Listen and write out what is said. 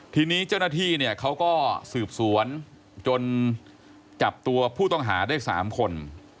ทีนี้เจ้าหน้าที่เนี่ยเขาก็สืบสวนจนจับตัวผู้ต้องหาได้๓คน